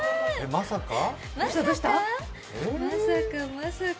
まさか？